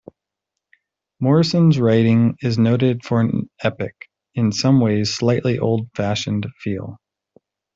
Morrison's writing is noted for an epic, in some ways slightly old-fashioned feel.